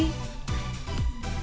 pemandangan tersebut juga dapat dilihat